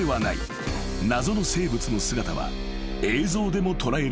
［謎の生物の姿は映像でも捉えられている］